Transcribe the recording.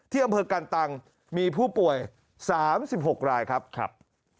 ที่อำเภอการต่างมีผู้ป่วย๓๖รายครับ